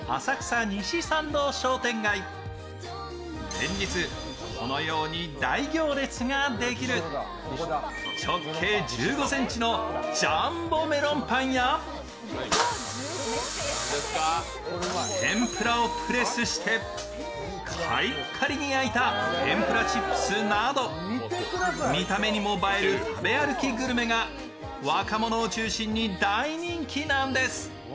連日、このように大行列ができる直径１５ｃｍのジャンボめろんぱんや天ぷらをプレスしてカリッカリに焼いた天ぷらチップスなど見た目にも映える食べ歩きグルメが若者を中心に大人気なんです。